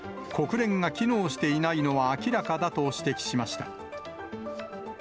国連が機能していないのは明らかだと指摘しました。